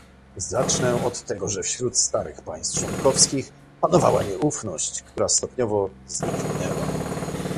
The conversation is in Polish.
Zacznę od tego, że wśród starych państw członkowskich panowała nieufność, która stopniowo zniknęła